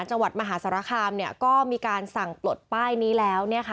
จังหวัดมหาสารคามก็มีการสั่งปลดป้ายนี้แล้ว